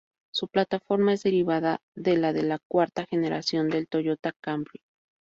Su plataforma es derivada de la de la cuarta generación del Toyota Camry.